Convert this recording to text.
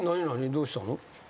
どうしたの？